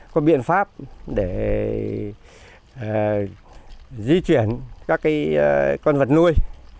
có biện pháp để di chuyển các con vật nuôi